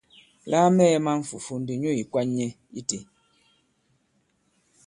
La a mɛɛ̄ man fùfu ndi nyu ì kwan nyɛ itē.